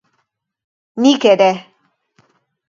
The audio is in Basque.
Nik ere.